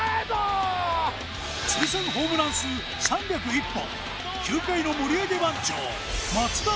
通算ホームラン数３０１本、球界の盛り上げ番長松田